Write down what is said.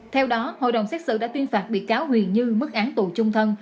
theo đó hội đồng xét xử đã tuyên phạt bị cáo huyền như mức án tù chung thân